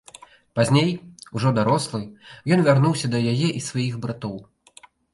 Пазней, ўжо дарослы, ён вярнуўся да яе і сваіх братоў.